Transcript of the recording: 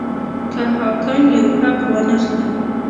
که حاکم یو حق وانه خلي.